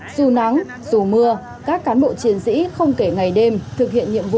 dù nắng dù mưa các cán bộ chiến sĩ không kể ngày đêm thực hiện nhiệm vụ